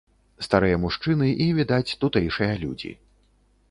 Старыя мужчыны і, відаць, тутэйшыя людзі.